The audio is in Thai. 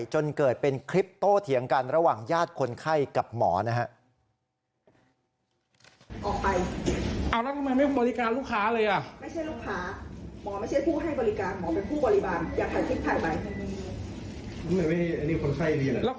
จนเกิดเป็นคลิปโตเถียงกันระหว่างญาติคนไข้กับหมอนะครับ